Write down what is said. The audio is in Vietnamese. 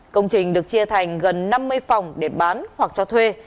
công trình được chia thành gần năm mươi phòng để bán hoặc cho thuê